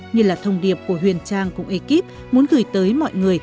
như là thông điệp của huyền trang cùng ekip muốn gửi tới mọi người